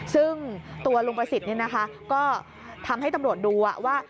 ซึ่งตัวลุงประสิทธิ์ก็ทำให้ตำรวจดูว่า